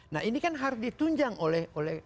nah ini kan harus ditunjang oleh